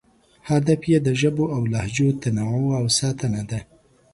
هدف یې د ژبو او لهجو تنوع او ساتنه ده.